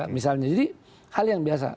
misalnya jahat islam